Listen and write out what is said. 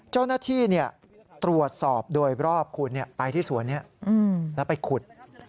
เจ้าหน้าที่ตรวจสอบโดยรอบคุณไปที่สวนนี้แล้วไปขุด